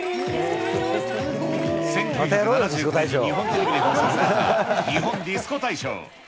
１９７９年に日本テレビで放送された、日本ディスコ大賞。